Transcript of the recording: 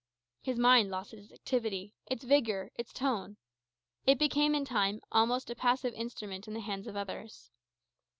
His mind lost its activity, its vigour, its tone. It became, in time, almost a passive instrument in the hands of others.